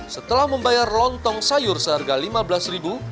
setelah membayar lontong sayur seharga rp lima belas